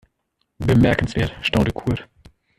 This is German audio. Bemerkenswert, staunte Kurt.